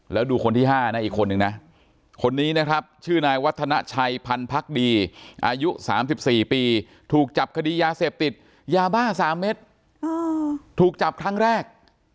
แล้วดูคนที่๕นะอีกคนนึงนะคนนี้นะครับชื่อนายวัฒนาชัยพันธ์ดีอายุ๓๔ปีถูกจับคดียาเสพติดยาบ้า๓เม็ดถูกจับครั้งแรก